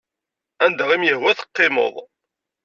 Anda i m-yehwa teqqimeḍ.